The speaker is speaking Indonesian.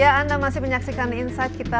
ya anda masih menyaksikan insight kita